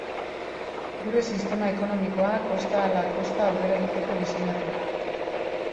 Gure sistema ekonomikoa kosta ala kosta aurrera egiteko diseinatu da.